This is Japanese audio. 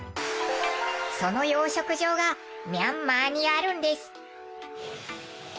その養殖場がミャンマーにあるんです。